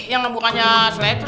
yang nabukannya seledri